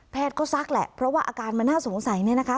ก็ซักแหละเพราะว่าอาการมันน่าสงสัยเนี่ยนะคะ